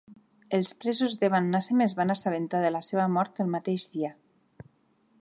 Els presos d'Evan Naseem es van assabentar de la seva mort el mateix dia.